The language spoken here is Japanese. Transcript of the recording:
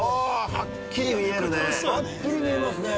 ◆はっきり見えますね。